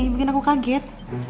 mungkin aku kaget